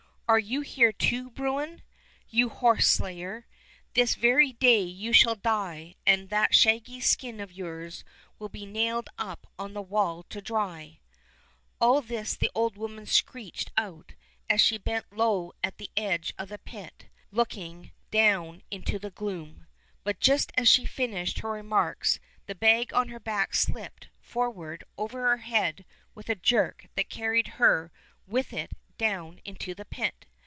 are you here, too. Bruin, you horse slayer. This very day you shall die, and that shaggy skin of yours will be nailed up on the wall to dry." All this the old woman screeched out as she bent low at the edge of the pit, looking 117 Fairy Tale Bears down into the gloom. But just as she finished her remarks the bag on her back slipped for ward over her head with a jerk that carried her with it down into the pit.